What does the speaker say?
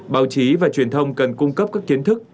báo chí và truyền thông cần cung cấp các kiến thức